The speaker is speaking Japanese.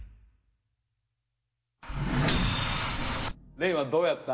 廉はどうやった？